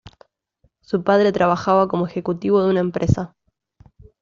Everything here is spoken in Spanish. Su padre trabajaba como ejecutivo de una empresa.